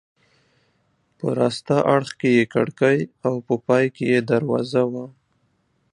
په راسته اړخ کې یې کړکۍ او په پای کې یې دروازه وه.